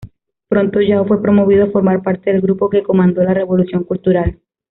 Pronto Yao fue promovido a formar parte del grupo que comandó la Revolución Cultural.